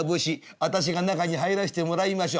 あたしが中に入らしてもらいましょ」。